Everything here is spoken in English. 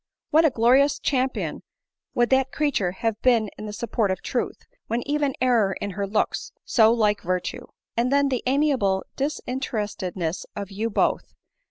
What a glorious champion would that creature have been in the support of truth, when even error in her looks so like virtue ! And then the amiable, disinterestedness of you both